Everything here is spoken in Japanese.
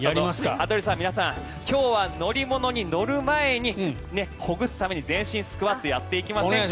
羽鳥さん、皆さん今日は乗り物に乗る前にほぐすために全身スクワットやっていきませんか？